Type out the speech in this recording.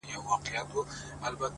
د تجربې ښوونه ژوره اغېزه لري.!